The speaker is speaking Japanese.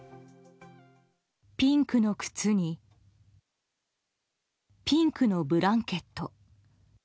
ピンクの靴にピンクのブランケット。